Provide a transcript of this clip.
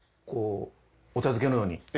こうお茶漬けのように。